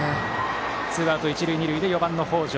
ツーアウト一塁二塁で２番の北條。